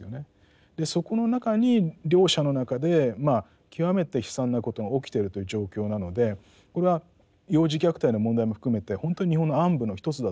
そこの中に両者の中で極めて悲惨なことが起きているという状況なのでこれは幼児虐待の問題も含めて本当に日本の暗部の一つだと思うんです。